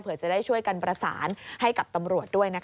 เพื่อจะได้ช่วยกันประสานให้กับตำรวจด้วยนะคะ